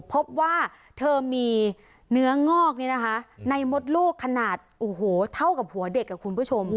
พบว่าเธอมีเนื้องอกในมดลูกขนาดโอ้โหเท่ากับหัวเด็กคุณผู้ชม